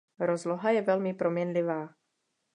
Rozloha je velmi proměnlivá.